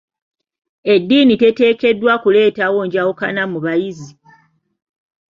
Edddiini teteekeddwa kuleetawo njawukana mu bayizi.